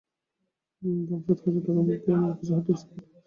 দাম সাত হাজার টাকার মধ্যে এমন কিছু হার্ডডিস্কের খোঁজ থাকছে এখানে।